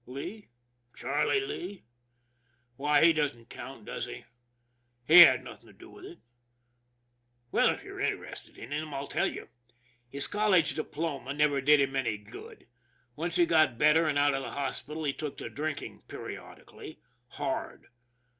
Lee? Charlie Lee? Why, he doesn't count, does he? He had nothing to do with it. Well, if you're interested in him I'll tell you. His college diploma never did him any good. Once he got ^better and out of the hospital, he took to drinking periodically hard.